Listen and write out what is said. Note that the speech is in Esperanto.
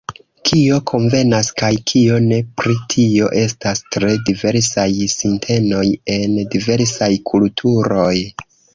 Kio konvenas kaj kio ne, pri tio estas tre diversaj sintenoj en diversaj kulturoj.